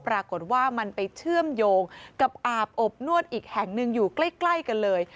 ปรากฏว่ามันไปเชื่อมโยงกับอาบอบนวดอีกแห่งหนึ่งอยู่ใกล้กันเลย